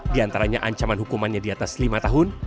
di antaranya ancaman hukumannya di atas lima tahun